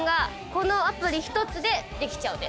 このアプリ一つでできちゃうんです。